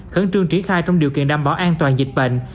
khẩn trương triển khai trong điều kiện đảm bảo an toàn dịch bệnh